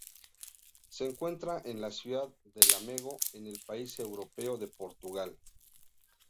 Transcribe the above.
Se encuentra en la ciudad de Lamego en el país europeo de Portugal.